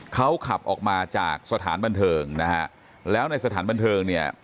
เขาขับออกมาจากสถานบันเทิงนะฮะแล้วในสถานบันเทิงเนี่ย